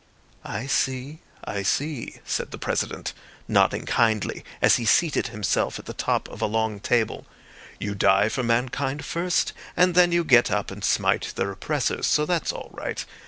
"I see, I see," said the President, nodding kindly as he seated himself at the top of a long table. "You die for mankind first, and then you get up and smite their oppressors. So that's all right.